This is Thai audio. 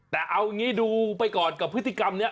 แต่เอางี้ดูไปก่อนกับพฤติกรรมนี้